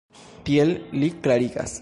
Tiel li klarigas.